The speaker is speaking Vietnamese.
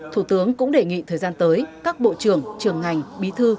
thủ tướng cũng đề nghị thời gian tới các bộ trưởng trường ngành bí thư